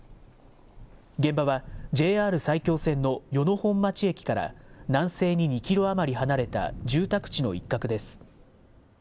現場はＪＲ埼京線の与野本町駅から南西に２キロ余り離れた住宅地の一角です。